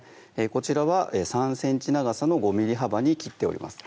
こちらは３ｃｍ長さの５ｍｍ幅に切っております